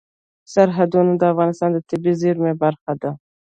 سرحدونه د افغانستان د طبیعي زیرمو برخه ده.